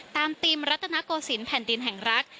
ตามติมรัฐนาโกสินแผ่นดินแห่งรัก